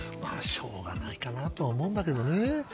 しょうがないかなとは思うんだけどね。